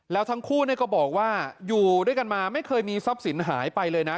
แล้วทั้งคู่ก็บอกว่าอยู่ด้วยกันมาไม่เคยมีทรัพย์สินหายไปเลยนะ